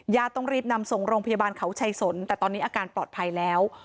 ต้องรีบนำส่งโรงพยาบาลเขาชัยสนแต่ตอนนี้อาการปลอดภัยแล้ว